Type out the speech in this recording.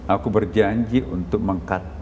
aku berjanji untuk mengkat